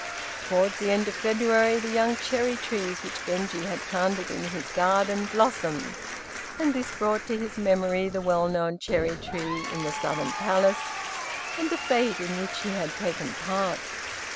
Towards the end of February the young cherry trees which Genji had planted in his garden blossomed, and this brought to his memory the well known cherry tree in the Southern Palace, and the fête in which he had taken part.